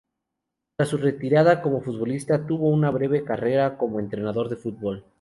Tras su retirada como futbolista tuvo una breve carrera como entrenador de fútbol.